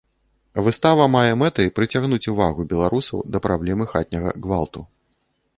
Выстава мае мэтай прыцягнуць увагу беларусаў да праблемы хатняга гвалту.